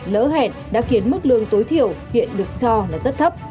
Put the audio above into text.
lỡ hẹn đã khiến mức lương tối thiểu hiện được cho là rất thấp